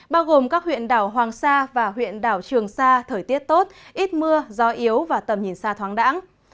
bao gồm các huyện đảo hoàng sa và huyện đảo trường sa thời tiết tốt ít mưa gió yếu và tầm nhìn xa thoáng đẳng